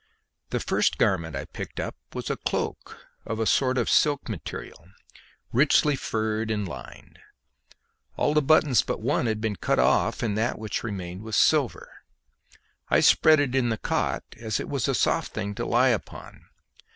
The first garment I picked up was a cloak of a sort of silk material, richly furred and lined; all the buttons but one had been cut off, and that which remained was silver. I spread it in the cot, as it was a soft thing to lie upon.